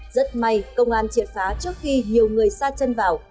rất may công an triệt phá trước khi nhiều người xa chân vào